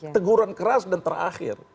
teguran keras dan terakhir